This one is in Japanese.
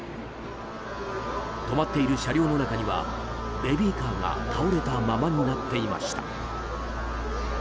止まっている車両の中にはベビーカーが倒れたままになっていました。